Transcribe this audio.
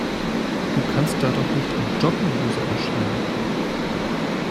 Du kannst da doch nicht in Jogginghose erscheinen.